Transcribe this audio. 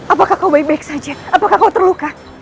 apakah kau baik baik saja apakah kau terluka